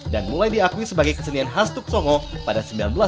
dan mulai diakui sebagai kesenian khas tuk songo pada seribu sembilan ratus lima puluh dua